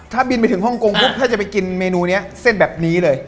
ถ้าบินไปถึงฮ่องกงปุ๊บถ้าจะไปกินเมนูนี้เส้นแบบนี้เลย